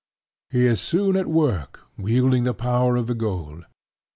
He is soon at work wielding the power of the gold.